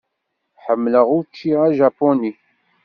Ḥemmleɣ učči ajapuni.